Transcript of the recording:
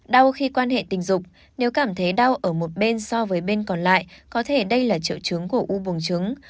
đau khi quan hệ tình dục nếu cảm thấy đau ở một bên so với bên còn lại có thể đây là triệu chứng của u buồng trứng